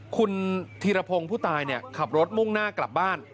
คุณธีรพงศ์ผู้ตายขับรถมุ่งหน้ากลับบ้าน